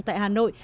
tại hà nội